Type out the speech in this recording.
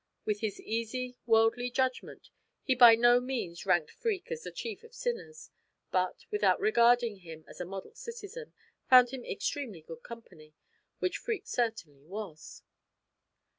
With his easy, worldly judgment, he by no means ranked Freke as the chief of sinners, but, without regarding him as a model citizen, found him extremely good company, which Freke certainly was.